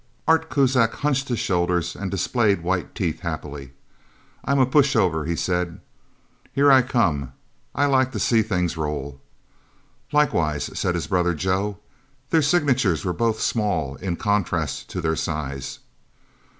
Art Kuzak hunched his shoulders and displayed white teeth happily. "I'm a pushover," he said. "Here I come. I like to see things roll." "Likewise," said his brother, Joe. Their signatures were both small, in contrast to their size.